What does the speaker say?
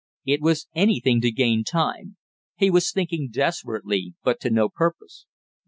It was anything to gain time, he was thinking desperately but to no purpose.